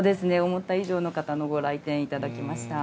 思った以上の方のご来店頂きました。